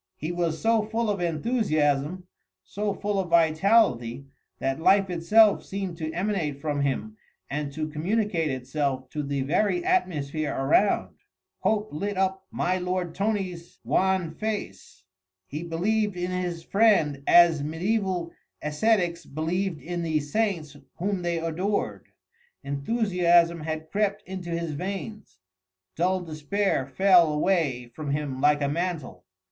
He was so full of enthusiasm, so full of vitality, that life itself seemed to emanate from him and to communicate itself to the very atmosphere around. Hope lit up my lord Tony's wan face: he believed in his friend as mediæval ascetics believed in the saints whom they adored. Enthusiasm had crept into his veins, dull despair fell away from him like a mantle.